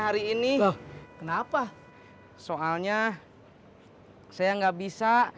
nanti aku banyaknya